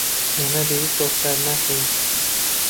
ئێمە بەیەکەوە کار ناکەین.